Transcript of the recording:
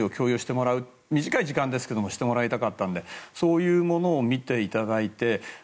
短い時間ですけどしてもらいたかったのでそういうものを見ていただいて。